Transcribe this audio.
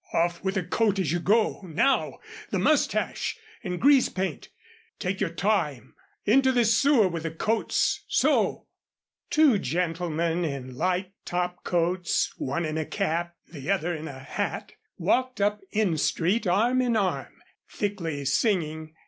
"Off with the coat as you go now, the mustache and grease paint. Take your time. Into this sewer with the coats. So!" Two gentlemen in light topcoats, one in a cap, the other in a hat, walked up N street arm in arm, thickly singing.